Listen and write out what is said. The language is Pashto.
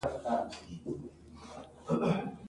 غوږونه له ژړا سره نرمه غږ غواړي